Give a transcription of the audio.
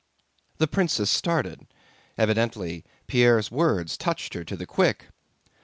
The princess started. Evidently Pierre's words touched her to the quick.